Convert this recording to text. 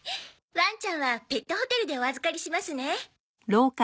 ワンちゃんはペットホテルでお預かりしますね。